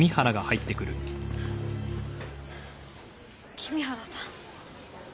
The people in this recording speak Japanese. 君原さん。